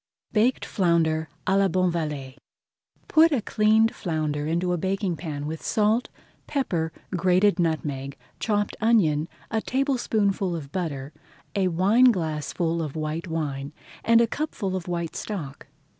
BAKED FLOUNDER À LA BONVALLET Put a cleaned flounder into a baking pan with salt, pepper, grated nutmeg, chopped onion, a tablespoonful of butter, a wineglassful of white wine, and a cupful of white stock.